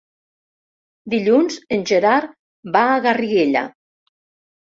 Dilluns en Gerard va a Garriguella.